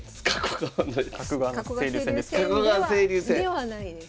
ではないです。